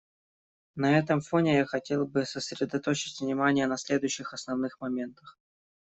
На этом фоне я хотел бы сосредоточить внимание на следующих основных моментах.